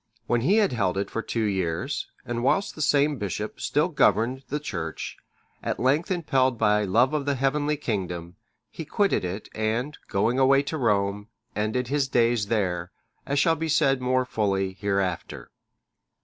When he had held it for two years, and whilst the same bishop still governed the church, at length impelled by love of the heavenly kingdom, he quitted it and, going away to Rome, ended his days there, as shall be said more fully hereafter.